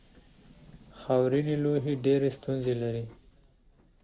خاورینې لوحې ډېرې ستونزې لري.